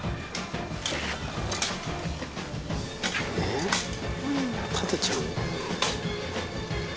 えっ立てちゃうの？